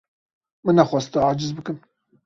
Min nexwest te aciz bikim.